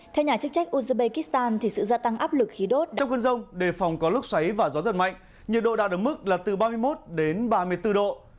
trong khuôn rông đề phòng có lúc xoáy và gió giật mạnh nhiệt độ đạt được mức là từ ba mươi một đến ba mươi bốn độ